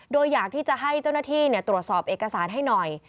โดยอยากที่จะให้เจ้าหน้าที่ตรวจสอบเอกสารให้หน่อย